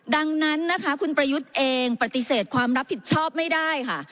ดังนั้นนะคะคุณประยุทธ์เองปฏิเสธความรับผิดชอบไม่ได้ค่ะ